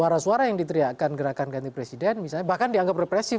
suara suara yang diteriakan gerakan ganti presiden misalnya bahkan dianggap represif